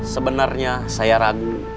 sebenarnya saya ragu